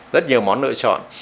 rất nhiều món đỡ chọn